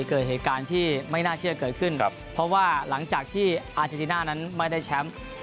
เกิดเหตุการณ์ที่ไม่น่าเชื่อเกิดขึ้นเพราะว่าหลังจากที่อาเจนติน่านั้นไม่ได้แชมป์